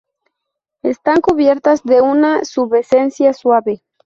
Están cubiertas de una pubescencia suave.